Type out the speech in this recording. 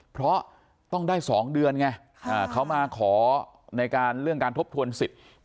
เพราะต้องได้๒เดือนไงเขามาขอในการเรื่องการทบทวนสิทธิ์